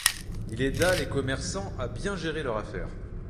Il aida les commerçants à bien gérer leur affaires.